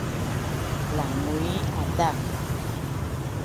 Langui azak